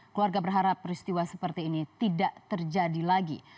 keluarga berharap peristiwa seperti ini tidak terjadi lagi